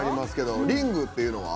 リングっていうのは？